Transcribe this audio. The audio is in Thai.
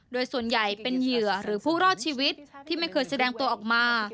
โดยส่วนใหญ่เป็นเหยื่อหรือผู้รอดชีวิตที่ไม่เคยแสดงตัวออกมา